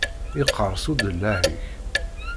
Yeqqereṣ uḍellaɛ-ik!